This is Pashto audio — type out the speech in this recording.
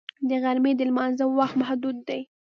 د غرمې د لمانځه وخت محدود دی